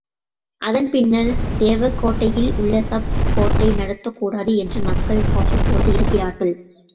அதன் பின்னர் தேவகோட்டையில் உள்ள சப் கோர்ட்டை நடத்தக்கூடாது என்று மக்கள் கோஷம் போட்டு இருக்கிறார்கள்.